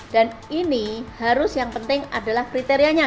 dan ini harus yang penting adalah kriterianya